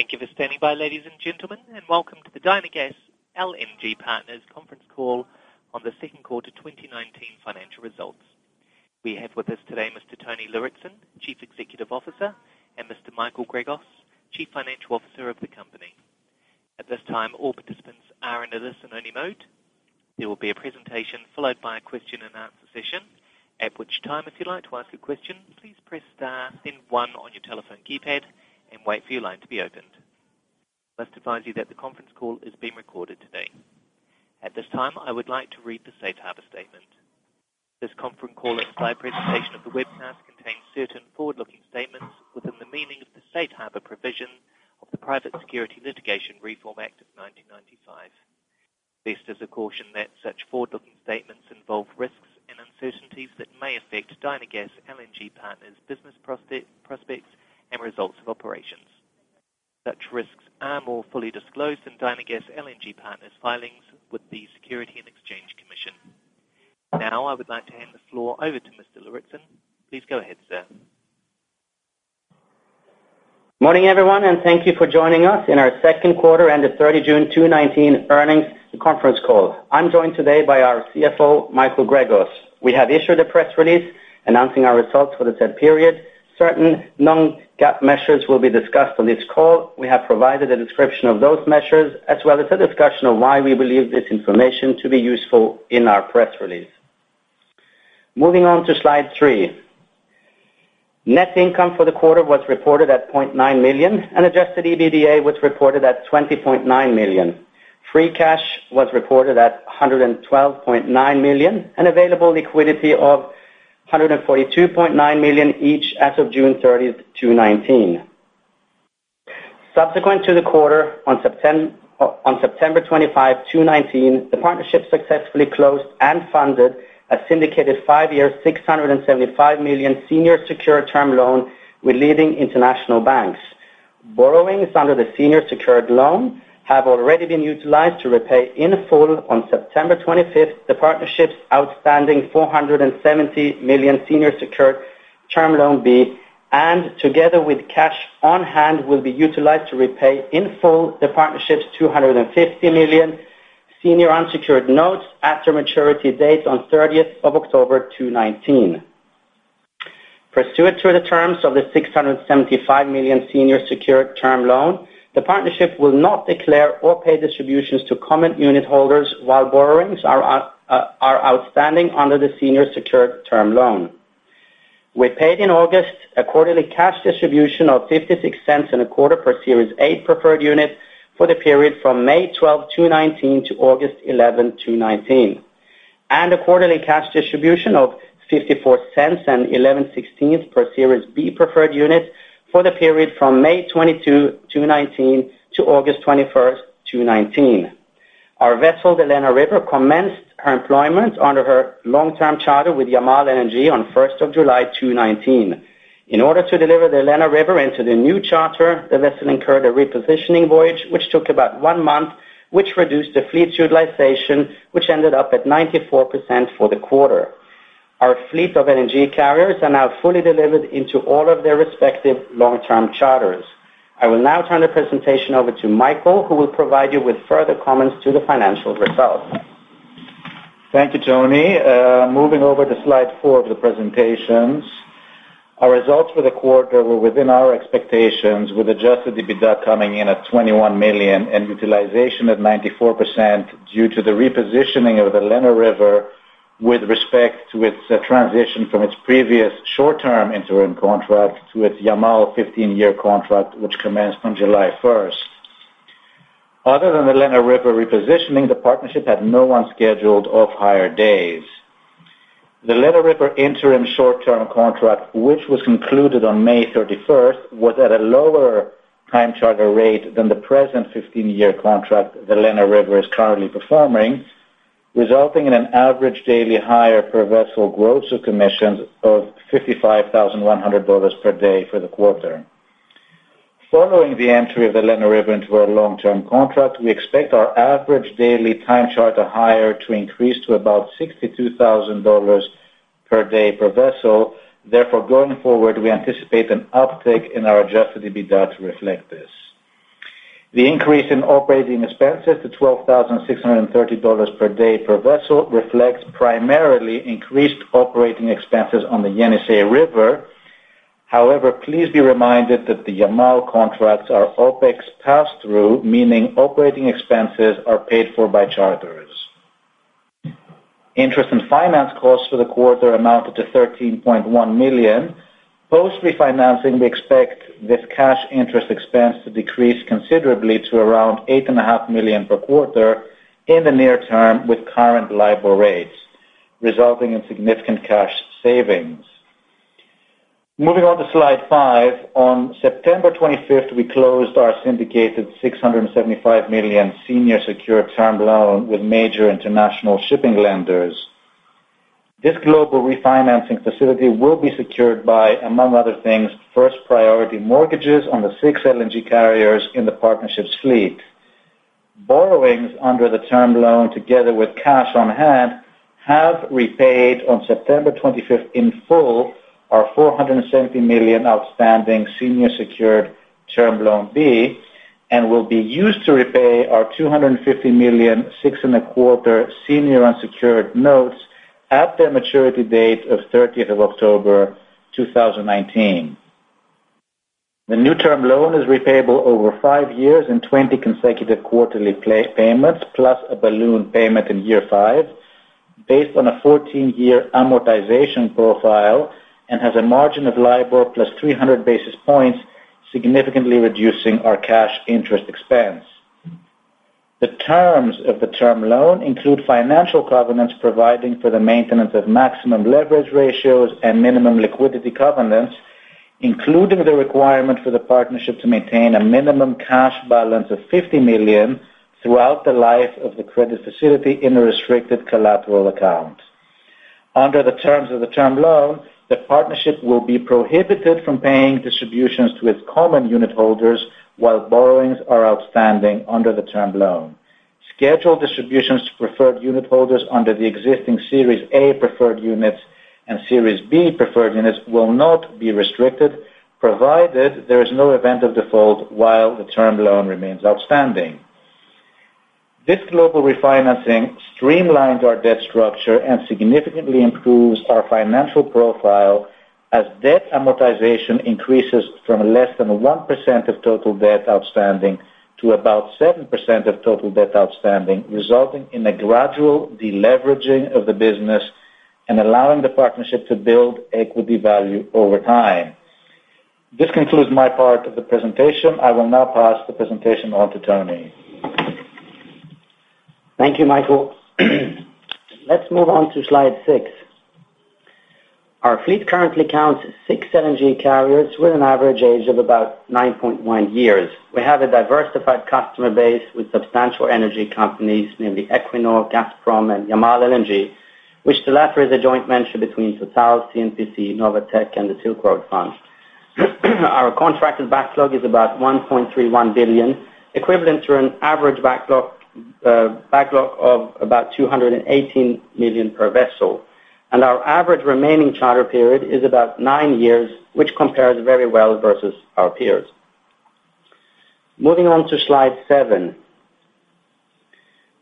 Thank you for standing by, ladies and gentlemen, and welcome to the Dynagas LNG Partners conference call on the second quarter 2019 financial results. We have with us today Mr. Tony Lauritzen, Chief Executive Officer, and Mr. Michael Gregos, Chief Financial Officer of the company. At this time, all participants are under a listen-only mode. There will be a presentation followed by a question and answer session. At which time, if you'd like to ask a question, please press star then one on your telephone keypad and wait for your line to be opened. Must advise you that the conference call is being recorded today. At this time, I would like to read the Safe Harbor statement. This conference call and live presentation of the webcast contains certain forward-looking statements within the meaning of the Safe Harbor provision of the Private Securities Litigation Reform Act of 1995. This as a caution that such forward-looking statements involve risks and uncertainties that may affect Dynagas LNG Partners business prospects and results of operations. Such risks are more fully disclosed in Dynagas LNG Partners filings with the Securities and Exchange Commission. Now, I would like to hand the floor over to Mr. Lauritzen. Please go ahead, sir. Morning, everyone, and thank you for joining us in our second quarter and the third of June 2019 earnings conference call. I'm joined today by our CFO, Michael Gregos. We have issued a press release announcing our results for the said period. Certain non-GAAP measures will be discussed on this call. We have provided a description of those measures as well as a discussion of why we believe this information to be useful in our press release. Moving on to slide three. Net income for the quarter was reported at $0.9 million, and adjusted EBITDA was reported at $20.9 million. Free cash was reported at $112.9 million and available liquidity of $142.9 million each as of June 30, 2019. Subsequent to the quarter, on September 25, 2019, the partnership successfully closed and funded a syndicated five-year, $675 million senior secured term loan with leading international banks. Borrowings under the senior secured loan have already been utilized to repay in full on September 25th, the partnership's outstanding $470 million senior secured term loan B, and together with cash on hand, will be utilized to repay in full the partnership's $250 million senior unsecured notes at their maturity dates on 30th of October 2019. Pursuant to the terms of the $675 million senior secured term loan, the partnership will not declare or pay distributions to common unit holders while borrowings are outstanding under the senior secured term loan. We paid in August a quarterly cash distribution of $0.5625 per Series A preferred unit for the period from May 12, 2019 to August 11, 2019. A quarterly cash distribution of $0.546875 per Series B preferred unit for the period from May 22, 2019 to August 21st, 2019. Our vessel, the Lena River, commenced her employment under her long-term charter with Yamal LNG on 1st of July 2019. In order to deliver the Lena River into the new charter, the vessel incurred a repositioning voyage, which took about one month, which reduced the fleet's utilization, which ended up at 94% for the quarter. Our fleet of LNG carriers are now fully delivered into all of their respective long-term charters. I will now turn the presentation over to Michael, who will provide you with further comments to the financial results. Thank you, Tony. Moving over to slide four of the presentations. Our results for the quarter were within our expectations with adjusted EBITDA coming in at $21 million and utilization at 94% due to the repositioning of the Lena River with respect to its transition from its previous short-term interim contract to its Yamal 15-year contract, which commenced on July 1st. Other than the Lena River repositioning, the partnership had no unscheduled off-hire days. The Lena River interim short-term contract, which was concluded on May 31st, was at a lower time charter rate than the present 15-year contract the Lena River is currently performing, resulting in an average daily hire per vessel gross of commissions of $55,100 per day for the quarter. Following the entry of the Lena River into our long-term contract, we expect our average daily time charter hire to increase to about $62,000 per day per vessel. Going forward, we anticipate an uptick in our adjusted EBITDA to reflect this. The increase in operating expenses to $12,630 per day per vessel reflects primarily increased operating expenses on the Yenisei River. Please be reminded that the Yamal contracts are OpEx pass-through, meaning operating expenses are paid for by charters. Interest and finance costs for the quarter amounted to $13.1 million. Post-refinancing, we expect this cash interest expense to decrease considerably to around eight and a half million dollars per quarter in the near term with current LIBOR rates, resulting in significant cash savings. Moving on to slide five. On September 25th, we closed our syndicated $675 million senior secured term loan with major international shipping lenders. This global refinancing facility will be secured by, among other things, first priority mortgages on the six LNG carriers in the partnership's fleet. Borrowings under the term loan, together with cash on hand, have repaid on September 25th in full our $470 million outstanding senior secured term loan B, and will be used to repay our $250 million six and a quarter senior unsecured notes at their maturity date of 30th of October 2019. The new term loan is repayable over five years in 20 consecutive quarterly payments, plus a balloon payment in year five, based on a 14-year amortization profile, and has a margin of LIBOR plus 300 basis points, significantly reducing our cash interest expense. The terms of the term loan include financial covenants providing for the maintenance of maximum leverage ratios and minimum liquidity covenants, including the requirement for the partnership to maintain a minimum cash balance of $50 million throughout the life of the credit facility in a restricted collateral account. Under the terms of the term loan, the partnership will be prohibited from paying distributions to its common unit holders while borrowings are outstanding under the term loan. Scheduled distributions to preferred unit holders under the existing Series A preferred units and Series B preferred units will not be restricted, provided there is no event of default while the term loan remains outstanding. This global refinancing streamlines our debt structure and significantly improves our financial profile as debt amortization increases from less than 1% of total debt outstanding to about 7% of total debt outstanding, resulting in a gradual de-leveraging of the business and allowing the partnership to build equity value over time. This concludes my part of the presentation. I will now pass the presentation on to Tony. Thank you, Michael. Let's move on to slide six. Our fleet currently counts six LNG carriers with an average age of about 9.1 years. We have a diversified customer base with substantial energy companies, namely Equinor, Gazprom, and Yamal LNG, which the latter is a joint venture between Total, CNPC, Novatek, and the Silk Road Fund. Our contracted backlog is about $1.31 billion, equivalent to an average backlog of about $218 million per vessel. Our average remaining charter period is about nine years, which compares very well versus our peers. Moving on to slide seven.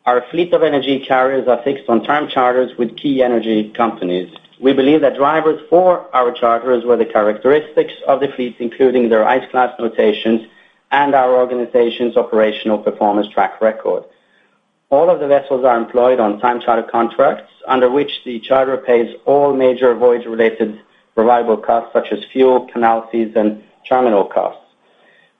Our fleet of LNG carriers are fixed on term charters with key energy companies. We believe that drivers for our charters were the characteristics of the fleets, including their ice class notations and our organization's operational performance track record. All of the vessels are employed on time charter contracts, under which the charter pays all major voyage-related variable costs such as fuel, canal fees, and terminal costs.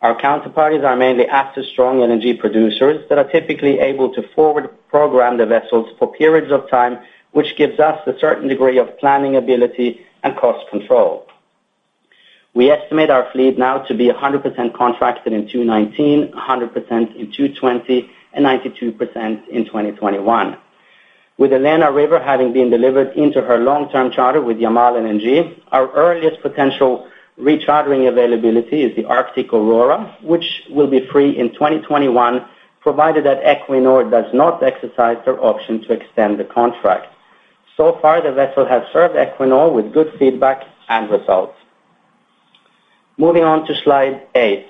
Our counterparties are mainly asset-strong LNG producers that are typically able to forward-program the vessels for periods of time, which gives us a certain degree of planning ability and cost control. We estimate our fleet now to be 100% contracted in 2019, 100% in 2020, and 92% in 2021. With Lena River having been delivered into her long-term charter with Yamal LNG, our earliest potential rechartering availability is the Arctic Aurora, which will be free in 2021, provided that Equinor does not exercise their option to extend the contract. So far, the vessel has served Equinor with good feedback and results. Moving on to slide eight.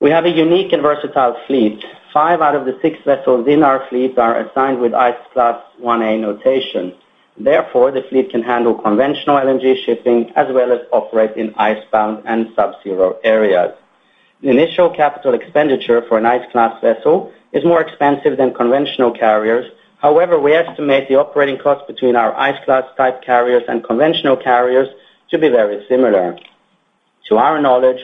We have a unique and versatile fleet. Five out of the six vessels in our fleet are assigned with ice class 1A notation. Therefore, the fleet can handle conventional LNG shipping, as well as operate in ice-bound and subzero areas. The initial capital expenditure for an ice class vessel is more expensive than conventional carriers. However, we estimate the operating cost between our ice class-type carriers and conventional carriers to be very similar. To our knowledge,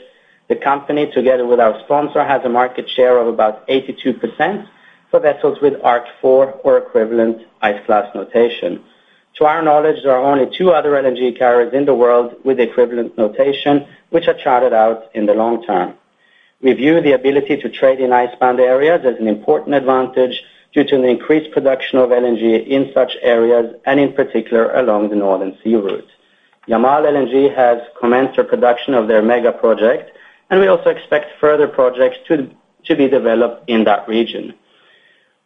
the company, together with our sponsor, has a market share of about 82% for vessels with Arc4 or equivalent ice class notation. To our knowledge, there are only two other LNG carriers in the world with equivalent notation, which are chartered out in the long term. We view the ability to trade in ice-bound areas as an important advantage due to an increased production of LNG in such areas, and in particular, along the Northern Sea Route. Yamal LNG has commenced their production of their mega project, and we also expect further projects to be developed in that region.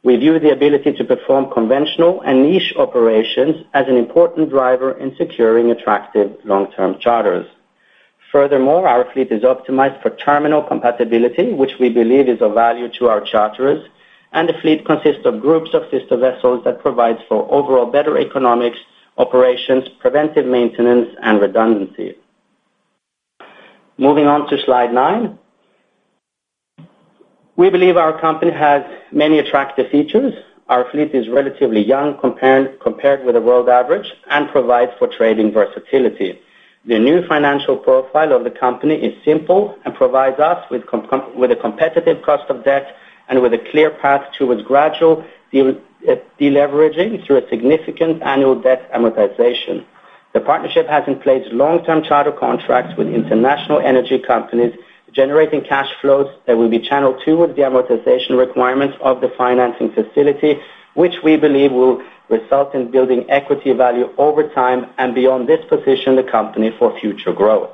We view the ability to perform conventional and niche operations as an important driver in securing attractive long-term charters. Furthermore, our fleet is optimized for terminal compatibility, which we believe is of value to our charterers, and the fleet consists of groups of sister vessels that provides for overall better economics, operations, preventive maintenance, and redundancy. Moving on to slide nine. We believe our company has many attractive features. Our fleet is relatively young compared with the world average and provides for trading versatility. The new financial profile of the company is simple and provides us with a competitive cost of debt and with a clear path towards gradual de-leveraging through a significant annual debt amortization. The partnership has in place long-term charter contracts with international energy companies, generating cash flows that will be channeled towards the amortization requirements of the financing facility, which we believe will result in building equity value over time, and beyond this position the company for future growth.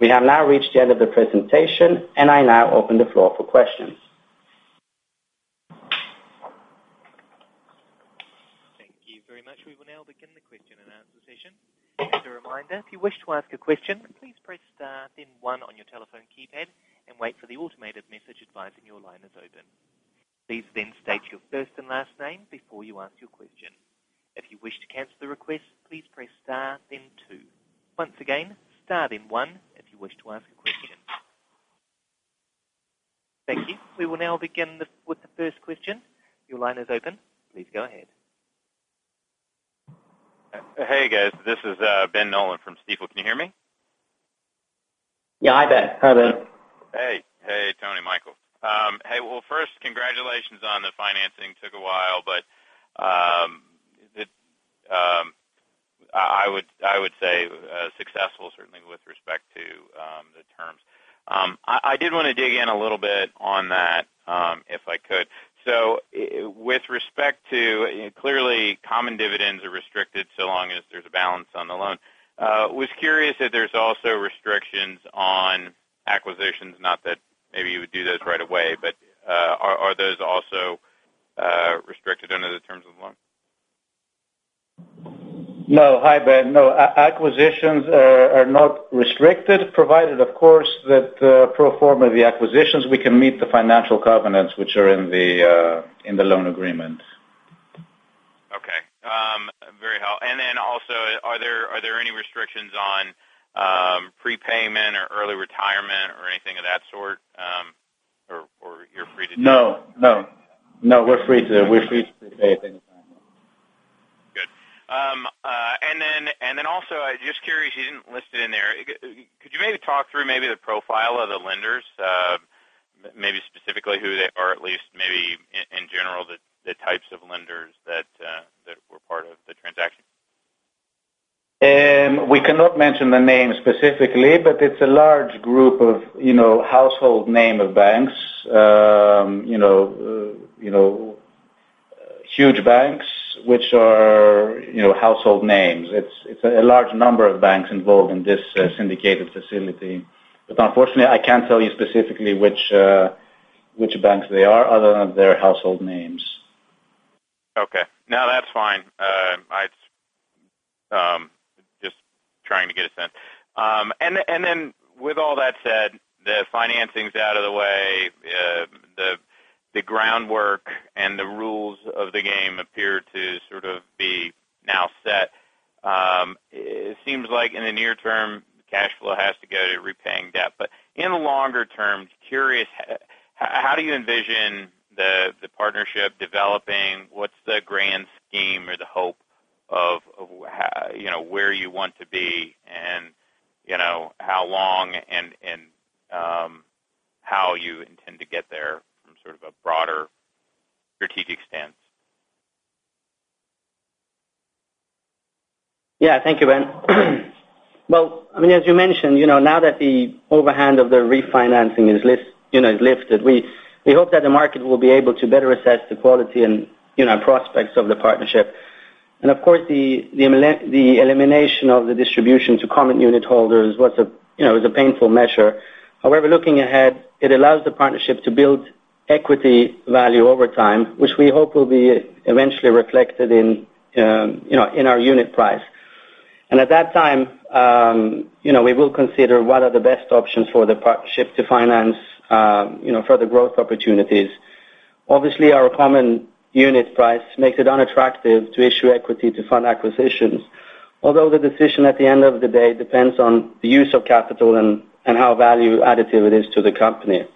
We have now reached the end of the presentation, and I now open the floor for questions. Thank you very much. We will now begin the question and answer session. As a reminder, if you wish to ask a question, please press star then one on your telephone keypad and wait for the automated message advising your line is open. Please then state your first and last name before you ask your question. If you wish to cancel the request, please press star then two. Once again, star then one if you wish to ask a question. Thank you. We will now begin with the first question. Your line is open. Please go ahead. Hey, guys. This is Ben Nolan from Stifel. Can you hear me? Yeah, hi there. Hi, Ben. Hey. Hey, Tony, Michael. Hey, well first, congratulations on the financing. Took a while, but I would say successful certainly with respect to the terms. I did want to dig in a little bit on that, if I could. With respect to, clearly common dividends are restricted so long as there's a balance on the loan. Was curious if there's also restrictions on acquisitions, not that maybe you would do those right away, but are those also restricted under the terms of the loan? No. Hi, Ben. No, acquisitions are not restricted, provided of course, that pro forma of the acquisitions we can meet the financial covenants, which are in the loan agreement. Okay. Very helpful. Also, are there any restrictions on prepayment or early retirement or anything of that sort? You're free to do that? No, no. No, we're free to pay at any time. Good. Also, just curious, you didn't list it in there, could you maybe talk through maybe the profile of the lenders, maybe specifically who they are, at least maybe in general, the types of lenders that were part of the transaction? We cannot mention the name specifically, but it's a large group of household name of banks. Huge banks, which are household names. It's a large number of banks involved in this syndicated facility. Unfortunately, I can't tell you specifically which banks they are other than their household names. Okay. No, that's fine. I was just trying to get a sense. With all that said, the financing's out of the way, the groundwork and the rules of the game appear to sort of be now set. It seems like in the near term, cash flow has to go to repaying debt. In the longer term, just curious, how do you envision the partnership developing? What's the grand scheme or the hope of where you want to be and how long and how you intend to get there from sort of a broader strategic stance? Thank you, Ben. As you mentioned, now that the overhand of the refinancing is lifted, we hope that the market will be able to better assess the quality and prospects of the partnership. Of course, the elimination of the distribution to common unit holders was a painful measure. However, looking ahead, it allows the partnership to build equity value over time, which we hope will be eventually reflected in our unit price. At that time, we will consider what are the best options for the partnership to finance further growth opportunities. Obviously, our common unit price makes it unattractive to issue equity to fund acquisitions. Although the decision at the end of the day depends on the use of capital and how value additive it is to the company.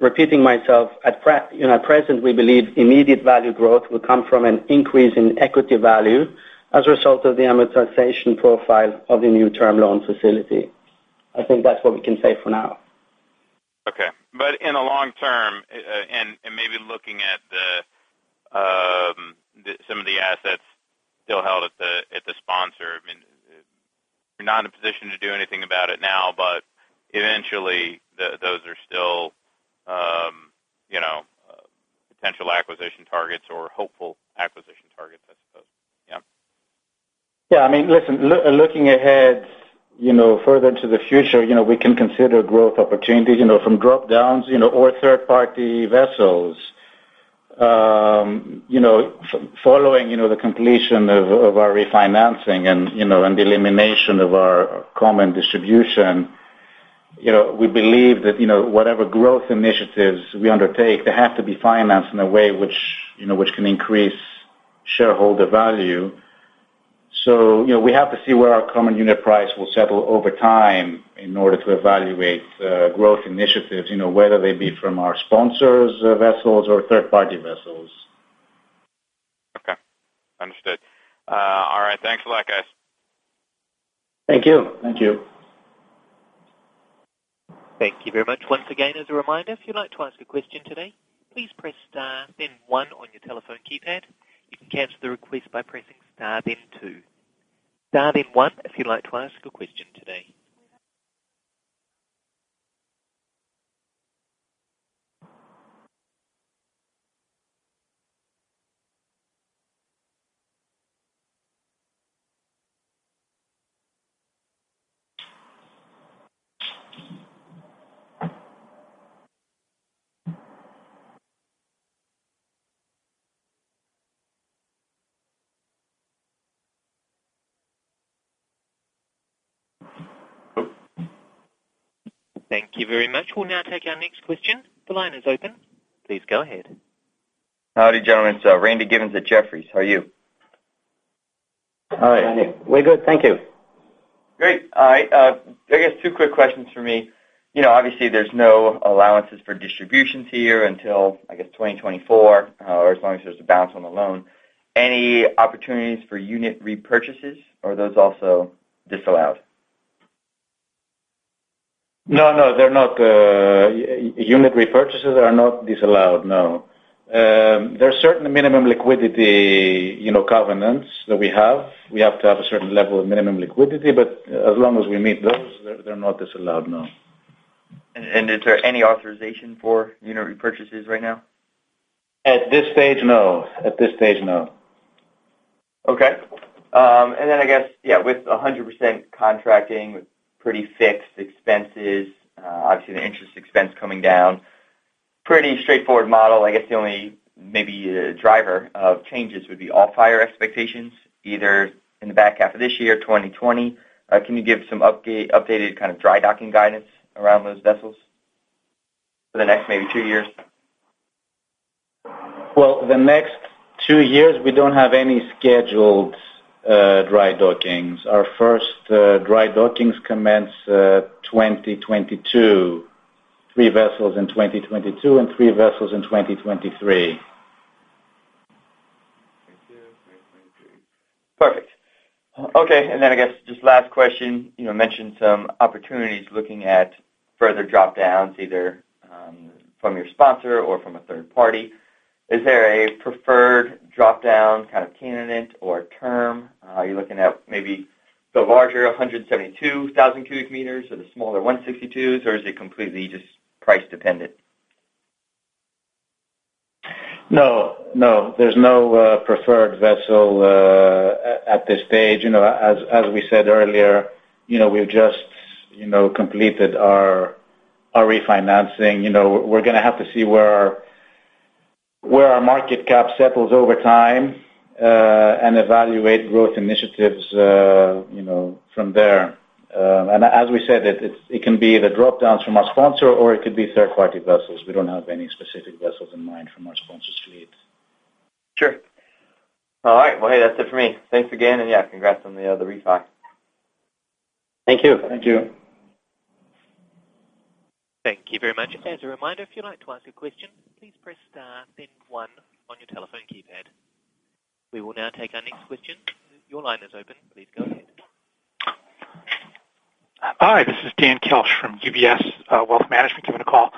Repeating myself, at present, we believe immediate value growth will come from an increase in equity value as a result of the amortization profile of the new term loan facility. I think that's what we can say for now. Okay. In the long term, and maybe looking at some of the assets still held at the sponsor, you're not in a position to do anything about it now, but eventually, those are still potential acquisition targets or hopeful acquisition targets, I suppose. Yeah. Listen, looking ahead further into the future, we can consider growth opportunities from drop-downs or third-party vessels. Following the completion of our refinancing and the elimination of our common distribution, we believe that whatever growth initiatives we undertake, they have to be financed in a way which can increase shareholder value. We have to see where our common unit price will settle over time in order to evaluate growth initiatives, whether they be from our sponsors' vessels or third-party vessels. Okay. Understood. All right. Thanks a lot, guys. Thank you. Thank you. Thank you very much. Once again, as a reminder, if you'd like to ask a question today, please press star then one on your telephone keypad. You can cancel the request by pressing star then two. Star then one if you'd like to ask a question today. Thank you very much. We'll now take our next question. The line is open. Please go ahead. Howdy, gentlemen. It's Randy Giveans at Jefferies. How are you? Hi. We're good. Thank you. Great. All right. I guess two quick questions for me. Obviously, there's no allowances for distributions here until, I guess, 2024 or as long as there's a balance on the loan. Any opportunities for unit repurchases, or are those also disallowed? No. Unit repurchases are not disallowed, no. There are certain minimum liquidity covenants that we have. We have to have a certain level of minimum liquidity. As long as we meet those, they're not disallowed, no. Is there any authorization for unit repurchases right now? At this stage, no. Okay. I guess, with 100% contracting, pretty fixed expenses, obviously the interest expense coming down, pretty straightforward model. I guess the only driver of changes would be off-hire expectations, either in the back half of this year, 2020. Can you give some updated kind of dry docking guidance around those vessels for the next maybe two years? Well, the next two years, we don't have any scheduled dry dockings. Our first dry dockings commence 2022. Three vessels in 2022 and three vessels in 2023. Perfect. Okay. I guess just last question. You mentioned some opportunities looking at further drop-downs, either from your sponsor or from a third party. Is there a preferred drop-down kind of candidate or term? Are you looking at maybe the larger 172,000 cubic meters or the smaller 162s, or is it completely just price dependent? No. There's no preferred vessel at this stage. As we said earlier, we've just completed our refinancing. We're going to have to see where our market cap settles over time and evaluate growth initiatives from there. As we said, it can be the drop-downs from our sponsor, or it could be third-party vessels. We don't have any specific vessels in mind from our sponsors' fleet. Sure. All right. Well, hey, that's it for me. Thanks again. Yeah, congrats on the refi. Thank you. Thank you. Thank you very much. As a reminder, if you'd like to ask a question, please press star then one on your telephone keypad. We will now take our next question. Your line is open. Please go ahead. Hi, this is Daniel Kelsh from UBS Wealth Management giving a call.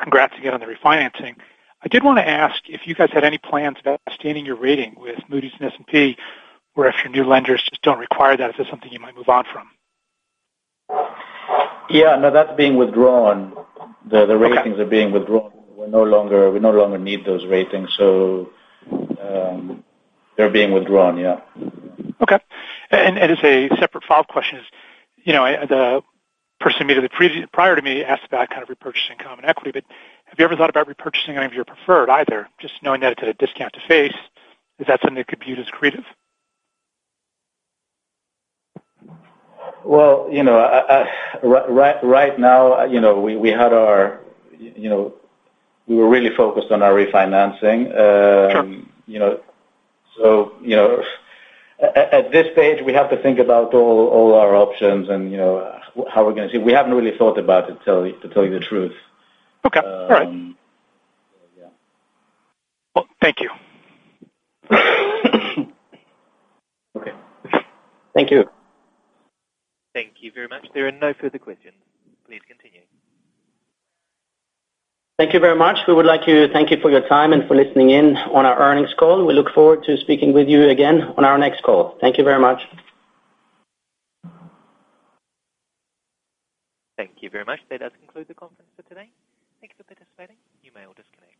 Congrats again on the refinancing. I did want to ask if you guys had any plans about sustaining your rating with Moody's and S&P, or if your new lenders just don't require that, is this something you might move on from? Yeah, no, that's being withdrawn. Okay. The ratings are being withdrawn. We no longer need those ratings, so they're being withdrawn, yeah. Okay. As a separate follow-up question is, the person prior to me asked about kind of repurchasing common equity, but have you ever thought about repurchasing any of your preferred either? Just knowing that it's at a discount to face, is that something that could be as creative? Well, right now we were really focused on our refinancing. Sure. At this stage, we have to think about all our options. We haven't really thought about it, to tell you the truth. Okay. All right. Yeah. Well, thank you. Okay. Thank you. Thank you very much. There are no further questions. Please continue. Thank you very much. We would like to thank you for your time and for listening in on our earnings call. We look forward to speaking with you again on our next call. Thank you very much. Thank you very much. That does conclude the conference for today. Thanks for participating. You may all disconnect.